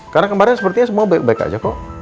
karena kemarin sepertinya semua baik baik aja kok